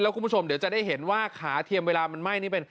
คุณผู้ชมเดี๋ยวจะได้เห็นว่าขาเทียมเวลามันไหม้นี่เป็น